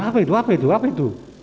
apa itu apa itu apa itu